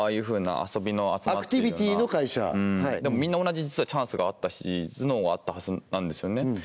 ふうな遊びの集まってるようなアクティビティーの会社でもみんな同じチャンスがあったし頭脳はあったはずなんですよね